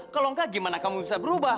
kalau enggak gimana kamu bisa berubah